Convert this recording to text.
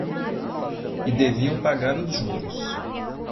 E deviam pagar os juros.